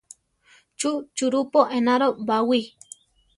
Chú churupo enaro baʼwí?